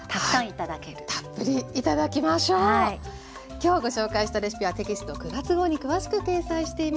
今日ご紹介したレシピはテキスト９月号に詳しく掲載しています。